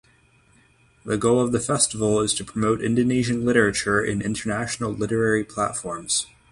The goal of the festival is to promote Indonesian literature in international literary platforms.